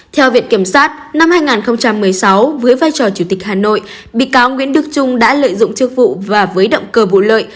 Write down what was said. theo viện kiểm sát năm hai nghìn một mươi sáu với vai trò chủ tịch hà nội bị cáo nguyễn đức trung đã lợi dụng chức vụ và với động cơ vụ lợi